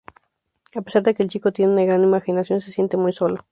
A pesar de que el chico tiene una gran imaginación, se siente muy solo.